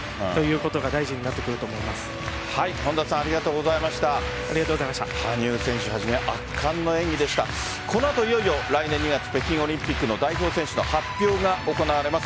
この後いよいよ、来年２月北京オリンピックの代表選手の発表が行われます。